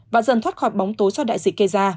và dần thoát khỏi bóng tối do đại dịch gây ra